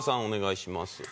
お願いします。